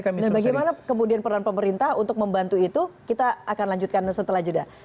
nah bagaimana kemudian peran pemerintah untuk membantu itu kita akan lanjutkan setelah jeda